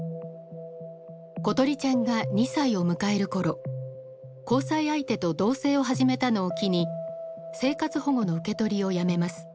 詩梨ちゃんが２歳を迎える頃交際相手と同棲を始めたのを機に生活保護の受け取りをやめます。